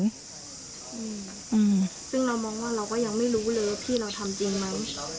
อืมซึ่งเรามองว่าเราก็ยังไม่รู้เลยว่าพี่เราทำจริงไหม